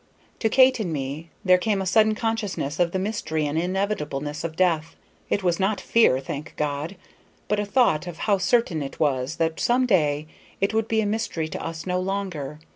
To Kate and me there came a sudden consciousness of the mystery and inevitableness of death; it was not fear, thank God! but a thought of how certain it was that some day it would be a mystery to us no longer.